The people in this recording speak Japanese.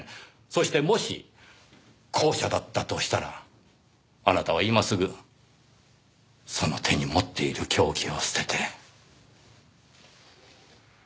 そしてもし後者だったとしたらあなたは今すぐその手に持っている凶器を捨てて。